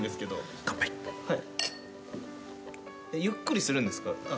ゆっくりするんですか？